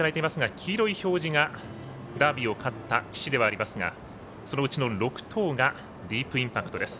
黄色い表示がダービーを勝った父ではありますがそのうちの６頭がディープインパクトです。